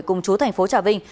cùng chú thành phố trà vinh